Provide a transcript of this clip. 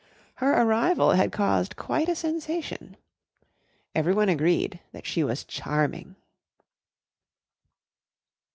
Her arrival had caused quite a sensation. Everyone agreed that she was "charming."